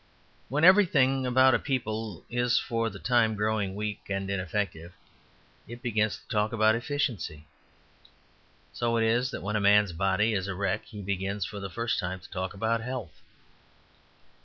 When everything about a people is for the time growing weak and ineffective, it begins to talk about efficiency. So it is that when a man's body is a wreck he begins, for the first time, to talk about health.